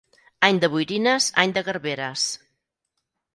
Any de boirines, any de garberes.